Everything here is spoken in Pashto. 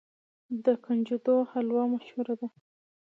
د کنجدو حلوه مشهوره ده.